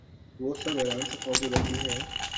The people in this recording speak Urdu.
وہ سب ایران سے خوف زدہ کیوں ہیں؟